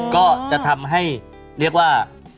ก็จะทำให้เรียกว่า